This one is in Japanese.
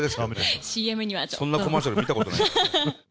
そんなコマーシャル、見たことない。